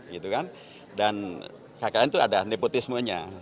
gitu kan dan kkn itu ada nepotismenya